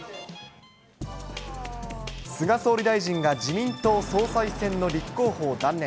菅総理大臣が自民党総裁選の立候補を断念。